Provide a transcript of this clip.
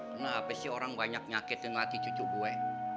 kenapa sih orang banyak nyakit dengan hati cucu gue